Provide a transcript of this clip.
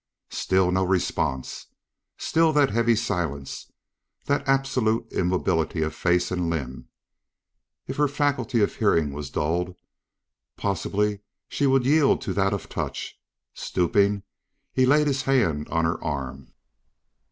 Still no response still that heavy silence, that absolute immobility of face and limb. If her faculty of hearing was dulled, possibly she would yield to that of touch. Stooping, he laid his hand on her arm.